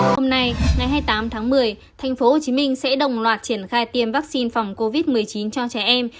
hôm nay ngày hai mươi tám tháng một mươi thành phố hồ chí minh sẽ đồng loạt triển khai tiêm vaccine phòng covid một mươi chín cho trẻ em